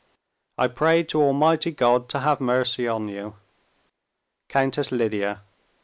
I pray to Almighty God to have mercy on you. "Countess Lidia."